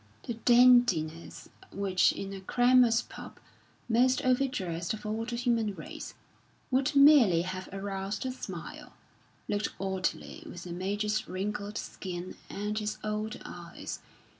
The dandiness which in a crammer's pup most overdressed of all the human race would merely have aroused a smile, looked oddly with the Major's wrinkled skin and his old eyes.